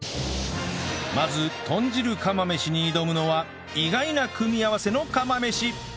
まず豚汁釜飯に挑むのは意外な組み合わせの釜飯